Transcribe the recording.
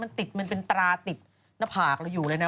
มันติดมันเป็นตราติดหน้าผากเราอยู่เลยนะ